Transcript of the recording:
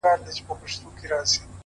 دا موسیقي نه ده جانانه، دا سرگم نه دی،